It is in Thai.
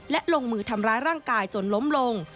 และลงมือทำร้ายร่างกายจนล้มลง